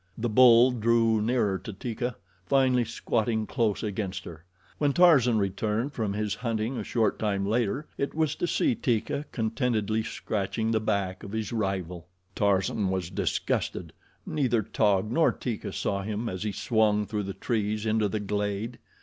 The bull drew nearer to Teeka, finally squatting close against her. When Tarzan returned from his hunting a short time later it was to see Teeka contentedly scratching the back of his rival. Tarzan was disgusted. Neither Taug nor Teeka saw him as he swung through the trees into the glade.